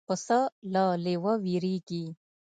پسه له لېوه وېرېږي.